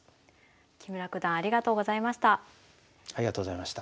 木村九段ありがとうございました。